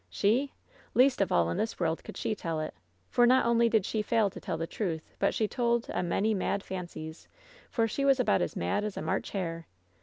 "She? Least of all in this world could she tell it! For not only did she fail to tell the truth, but she told a many mad fancies; for she was about as mad as a March hare!